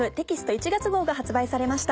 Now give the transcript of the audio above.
１月号が発売されました。